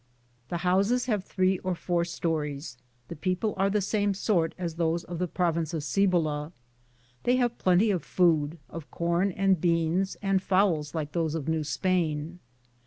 The houses have three or four stories ; the people are the same sort as those of the province of Cibola; they have plenty of food, of corn and beans and fowls like those of New Spain.